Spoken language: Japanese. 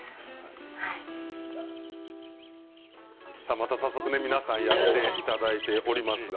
また早速やっていただいております。